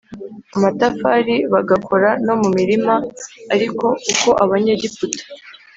amatafari bagakora no mu mirima Ariko uko Abanyegiputa